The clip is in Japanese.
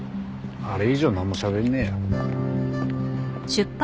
あれ以上なんもしゃべんねえよ。